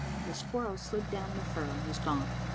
The squirrel slid down the fir and was gone.